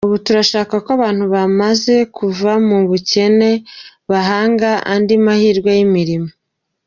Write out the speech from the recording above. Ubu turashaka ko abantu bamaze kuva mu bukene bahanga andi mahirwe y’imirimo.